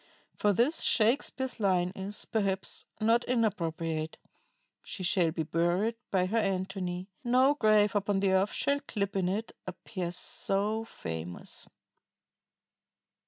For this, Shakespeare's line is, perhaps, not inappropriate: "She shall be buried by her Antony; No grave upon the earth shall clip in it A pair so famous